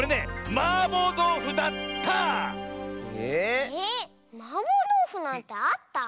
マーボーどうふなんてあった？